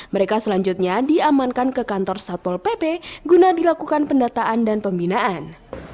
mereka selanjutnya diamankan ke kantor satpol pp guna dilakukan pendataan dan pembinaan